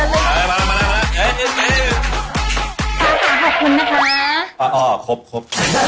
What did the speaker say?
จริงแล้วเมื่อพ่อไม่ออกบ้านลองเพลงงี้